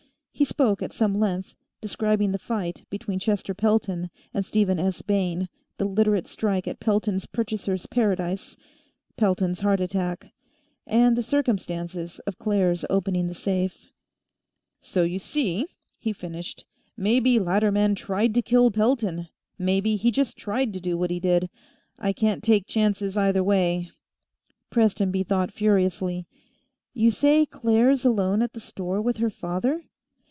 He spoke at some length, describing the fight between Chester Pelton and Stephen S. Bayne, the Literate strike at Pelton's Purchasers' Paradise, Pelton's heart attack, and the circumstances of Claire's opening the safe. "So you see," he finished. "Maybe Latterman tried to kill Pelton, maybe he just tried to do what he did. I can't take chances either way." Prestonby thought furiously. "You say Claire's alone at the store with her father?"